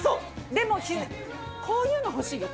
でも、こういうの欲しいよ。